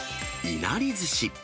いなりずし。